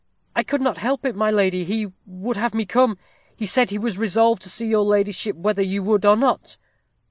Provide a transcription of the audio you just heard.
"I could not help it, my lady he would have me come; he said he was resolved to see your ladyship, whether you would or not."